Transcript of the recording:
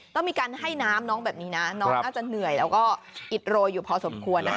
ต้องมีการให้น้ำน้องแบบนี้นะน้องน่าจะเหนื่อยแล้วก็อิดโรยอยู่พอสมควรนะคะ